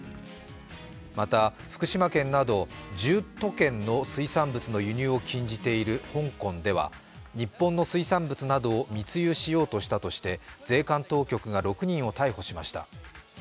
また、福島県など１０都県の水産物の輸入を禁じている香港では日本の水産物などを密輸しようとしたとして税関当局が６人を逮捕しました。